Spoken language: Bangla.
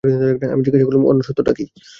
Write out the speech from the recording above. আমি জিজ্ঞাসা করলুম, অন্য সত্যটা কী?